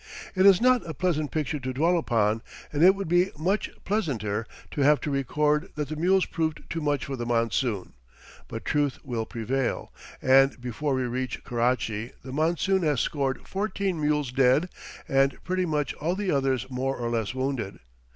It is not a pleasant picture to dwell upon, and it would be much pleasanter to have to record that the mules proved too much for the monsoon, but truth will prevail, and before we reach Karachi the monsoon has scored fourteen mules dead and pretty much all the others more or less wounded.